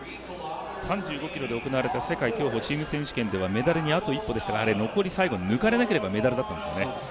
３５ｋｍで行われた世界競歩チーム選手権ではメダルにあと一歩でしたが最後、抜かれなければメダルだったんですよね。